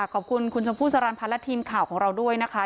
ขอบคุณคุณชมพู่สรรพันธ์และทีมข่าวของเราด้วยนะคะ